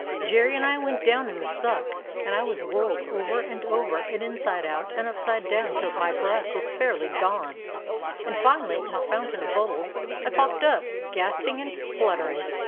"Jerry and I went down in the suck, and I was whirled over and over and inside out and upside down till my breath was fairly gone; and finally, in a fountain of bubbles, I popped up, gasping and spluttering.